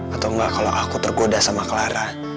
atau enggak kalau aku tergoda sama clara